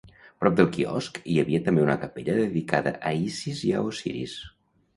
Prop del quiosc, hi havia també una capella dedicada a Isis i a Osiris.